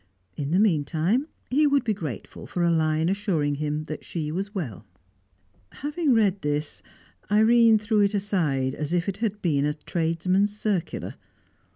In the meantime, he would be grateful for a line assuring him that she was well. Having read this, Irene threw it aside as if it had been a tradesman's circular.